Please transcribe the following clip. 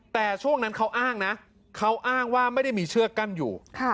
แต่ช่วงนั้นเขาอ้างนะเขาอ้างว่าไม่ได้มีเชือกกั้นอยู่